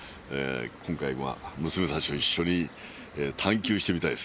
今回は娘たちと一緒に探求してみたいですね。